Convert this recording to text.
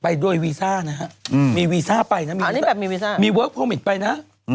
ไปโดยวีซ่านะฮะมีวีซ่าไปนะมีอันนี้แบบมีวีซ่ามีเวิร์คโลมิตไปนะ